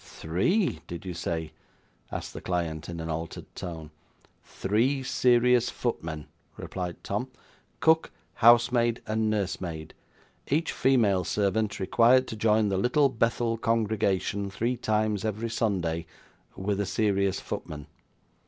'Three? did you say?' asked the client in an altered tone. 'Three serious footmen,' replied Tom. '"Cook, housemaid, and nursemaid; each female servant required to join the Little Bethel Congregation three times every Sunday with a serious footman.